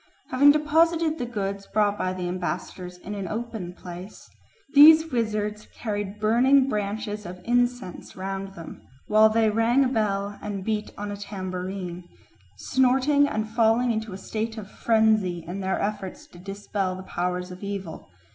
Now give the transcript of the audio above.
Having deposited the goods brought by the ambassadors in an open place, these wizards carried burning branches of incense round them, while they rang a bell and beat on a tambourine, snorting and falling into a state of frenzy in their efforts to dispel the powers of evil.